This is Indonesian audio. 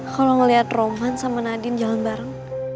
kalo ngeliat roman sama nadine jalan bareng